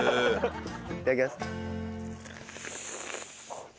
いただきます！